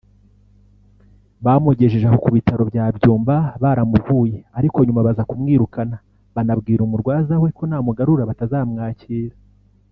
Bamugejeje aho ku bitaro bya Byumba baramuvuye ariko nyuma baza kumwirukana banabwira umurwaza we ko namugarura batazamwakira